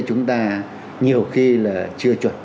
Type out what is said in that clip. chúng ta nhiều khi là chưa chuẩn